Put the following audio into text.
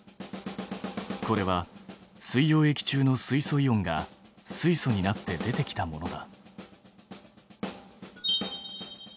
これは水溶液中の水素イオンが水素になって出てきたものだ。